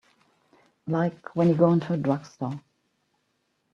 Like when you go into a drugstore.